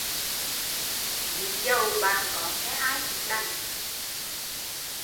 Ví dầu bạn có nghe ai cũng đành